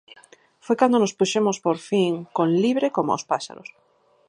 Foi cando nos puxemos por fin con Libre coma os paxaros.